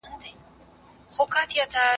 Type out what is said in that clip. حکومت باید د اقتصادي پیاوړتیا لپاره کار وکړي.